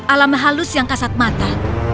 alam halus yang kasat mata